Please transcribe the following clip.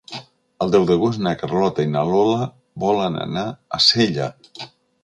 El deu d'agost na Carlota i na Lola volen anar a Sella.